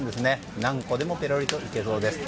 何個でもぺろりといけそうです。